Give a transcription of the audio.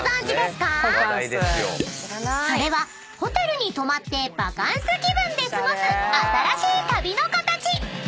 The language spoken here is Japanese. ［それはホテルに泊まってバカンス気分で過ごす新しい旅の形］